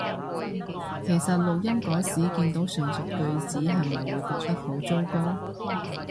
其實錄音嗰時見到上述句子係咪會覺得好糟糕？